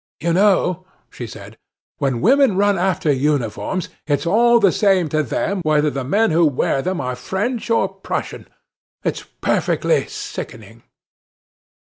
"You know," she said, "when women run after uniforms it's all the same to them whether the men who wear them are French or Prussian. It's perfectly sickening!"